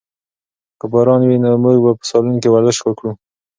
که باران وي نو موږ به په سالون کې ورزش وکړو.